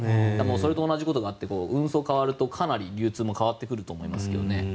それと同じことになって運送が変わるとかなり流通も変わってくると思います。